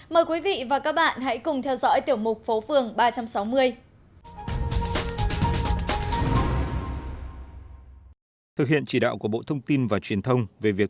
mời quý vị và các bạn hãy cùng theo dõi tiểu mục phố phường ba trăm sáu mươi